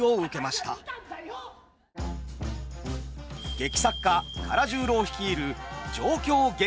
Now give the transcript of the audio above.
劇作家唐十郎率いる状況劇場。